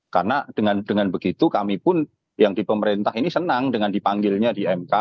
karena dengan begitu kami pun yang di pemerintah ini senang dengan dipanggilnya di mk